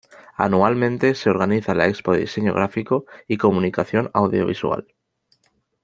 Anualmente se organiza la Expo de Diseño Gráfico y Comunicación Audiovisual.